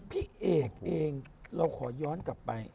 พี่เอกเองเราขอย้อนกลับไป